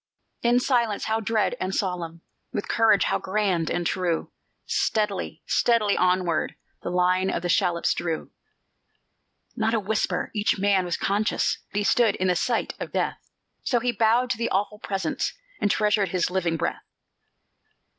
In silence, how dread and solemn! With courage, how grand and true! Steadily, steadily onward The line of the shallops drew. Not a whisper! Each man was conscious He stood in the sight of death; So he bowed to the awful presence, And treasured his living breath.